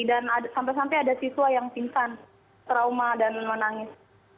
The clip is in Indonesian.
dan sampai sampai ada siswa yang timpan trauma dan menangis